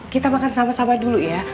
kita makan sama sama dulu ya